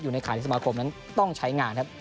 ในข่ายในสมาคมนั้นต้องใช้งานครับ